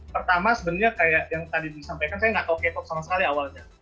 pertama sebenarnya kayak yang tadi disampaikan saya nggak tahu k pop sama sekali awalnya